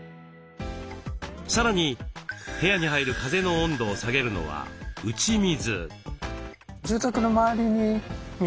さらに部屋に入る風の温度を下げるのは打ち水。